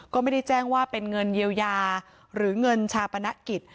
ก็ไม่ได้แจ้งว่าเป็นเงินเยียวยาหรือเงินชาปนกิจ